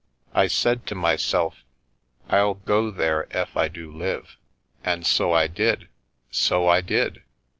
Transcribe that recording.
I said to myself * I'll go there ef I do live,' and so I did — so I did.